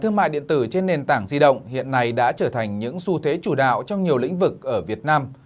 thương mại điện tử trên nền tảng di động hiện nay đã trở thành những xu thế chủ đạo trong nhiều lĩnh vực ở việt nam